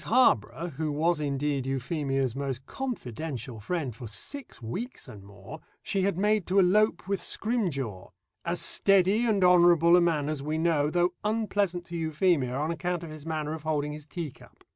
Harborough, who was indeed Euphemia's most confidential friend for six weeks and more, she had made to elope with Scrimgeour as steady and honourable a man as we know, though unpleasant to Euphemia on account of his manner of holding his teacup.